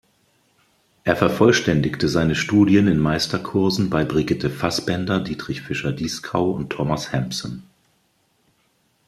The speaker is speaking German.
Er vervollständigte seine Studien in Meisterkursen bei Brigitte Fassbaender, Dietrich Fischer-Dieskau und Thomas Hampson.